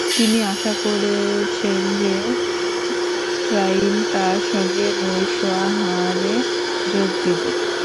তিনি আশা করেছেন যে, মি ট্রাইন তাঁর সঙ্গে নৈশ আহারে যোগ দেবেন।